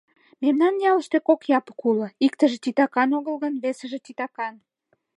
Мемнан ялыште кок Япык уло: иктыже титакан огыл гын, весыже — титакан...